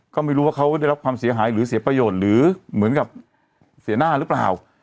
ก็ไม่รู้ว่าเขาได้รับความเสียหายหรือเสียประโยชน์หรือเหมือนกับเสียหน้าหรือเปล่า